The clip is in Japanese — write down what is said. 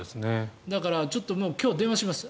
だから、ちょっと今日、電話します。